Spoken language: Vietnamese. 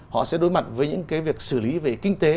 họ sẽ đối mặt với những việc xử lý về kinh tế